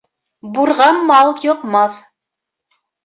Бурға мал йоҡмаҫ.